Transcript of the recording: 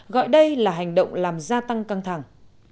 gọi đây là hành động làm gia tăng căng thẳng